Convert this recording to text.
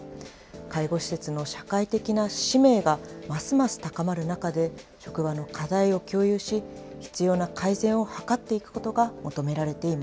介護施設の社会的な使命がますます高まる中で、職場の課題を共有し、必要な改善を図っていくことが求められてい